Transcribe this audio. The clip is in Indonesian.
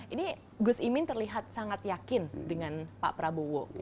ini gus imin terlihat sangat yakin dengan pak prabowo